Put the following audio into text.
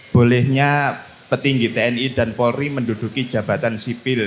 bolehnya petinggi tni dan polri menduduki jabatan sipil